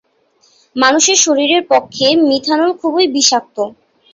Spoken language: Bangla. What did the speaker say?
মানুষের শরীরের পক্ষে মিথানল খুবই বিষাক্ত।